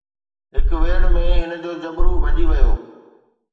هڪ ويڙهه ۾ هن جو جبرو ڀڄي ويو.